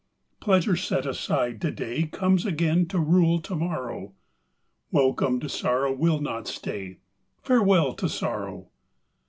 Pleasure set aside to day Comes again to rule to morrow: Welcomed sorrow will not stay, Farewell to sorrow!